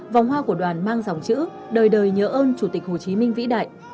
vòng hoa của đoàn mang dòng chữ đời đời nhớ ơn chủ tịch hồ chí minh vĩ đại